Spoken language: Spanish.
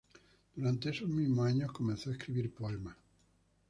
Durante esos mismos años comenzó a escribir poemas.